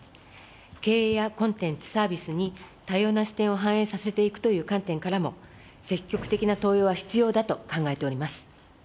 経営やコンテンツ、サービスに多様な視点を反映させていくという観点からも、積極的な登用は必要だと考えております。